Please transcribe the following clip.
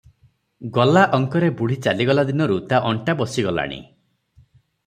ଗଲା ଅଙ୍କରେ ବୁଢ଼ୀ ଚାଲିଗଲା ଦିନରୁ ତା ଅଣ୍ଟା ବସିଗଲାଣି ।